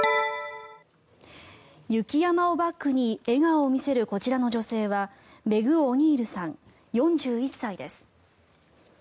雪山をバックに笑顔を見せるこちらの女性はメグ・オニールさん４１歳です。